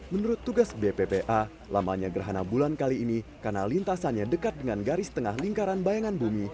menurut tugas bppa lamanya gerhana bulan kali ini karena lintasannya dekat dengan garis tengah lingkaran bayangan bumi